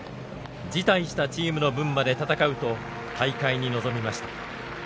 辞退したチームの分まで戦うと大会に臨みました。